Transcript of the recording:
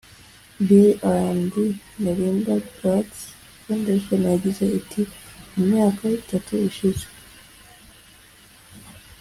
Bill and Melinda Gates Foundation yagize iti “Mu myaka itatu ishize